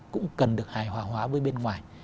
cũng cần được hài hòa với bên ngoài